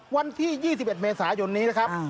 วันที่๒๑เมษายนคืน